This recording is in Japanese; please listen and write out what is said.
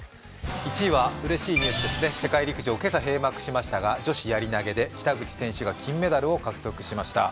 １位は、うれしい世界陸上、今朝閉幕しましたが、女子やり投で北口選手が金メダルを獲得しました。